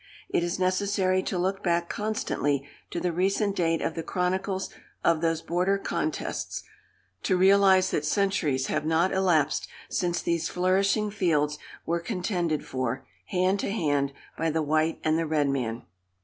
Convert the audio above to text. It is necessary to look back constantly to the recent date of the chronicles of those border contests, to realize that centuries have not elapsed since these flourishing fields were contended for, hand to hand, by the white and the red man.